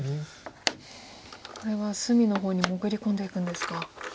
これは隅の方に潜り込んでいくんですか。